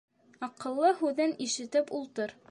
Аҡыллы һүҙен ишетеп ултыр.